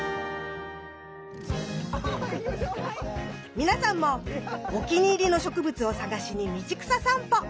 皆さんもお気に入りの植物を探しに道草さんぽ